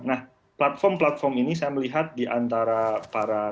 nah platform platform ini saya melihat diantara para